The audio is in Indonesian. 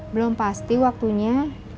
belum pasti waktunya